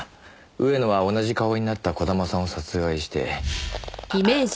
上野は同じ顔になった児玉さんを殺害して。